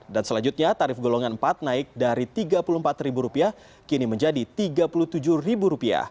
dan selanjutnya tarif golongan empat naik dari rp tiga puluh empat kini menjadi rp tiga puluh tujuh